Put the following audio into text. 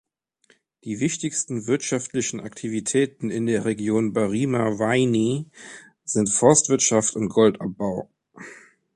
Die wichtigsten wirtschaftlichen Aktivitäten in der Region Barima-Waini sind Forstwirtschaft und Goldabbau.